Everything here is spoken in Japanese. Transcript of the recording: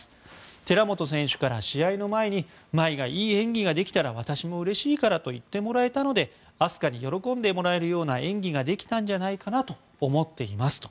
寺本選手から試合の前に茉愛がいい演技ができたら私もうれしいからと言ってもらえたので明日香に喜んでもらえるような演技ができたんじゃないかなと思っていますと。